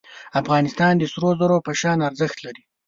افغان د سرو زرو په شان ارزښت لري.